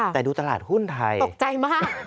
แต่ดูตลาดหุ้นไทยตกใจมาก